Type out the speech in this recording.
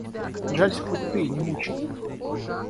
Сжалься хоть ты и не мучай!